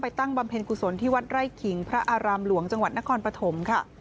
ตั้งบำเพ็ญกุศลที่วัดไร่ขิงพระอารามหลวงจังหวัดนครปฐมค่ะ